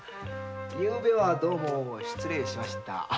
ゆうべは失礼しました。